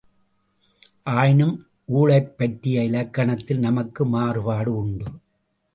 ஆயினும் ஊழைப்பற்றிய இலக்கணத்தில் நமக்கு மாறுபாடு உண்டு!